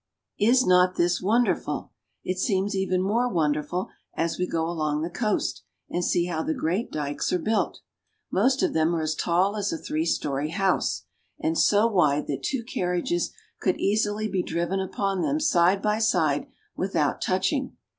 Is not this wonderful ? It seems even more wonderful as we go along the coast and see how the great dikes are built. Most of them are as tall as a three story house, and so wide that two carriages could easily be driven upon them side by side without touching.